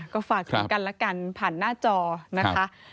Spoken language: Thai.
ก็ฝากถึงกันละกันผ่านหน้าจอนะคะ